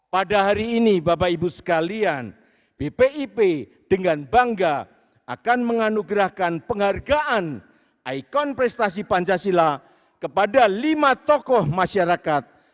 pada hari ini bapak ibu sekalian bpip dengan bangga akan menganugerahkan penghargaan ikon prestasi pancasila kepada lima tokoh masyarakat